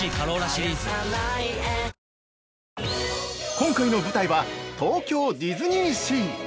今回の舞台は東京ディズニーシー！